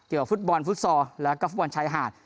เกี่ยวกับฟุตบอลฟุตซอลและก็ฟุตบอลชายหาด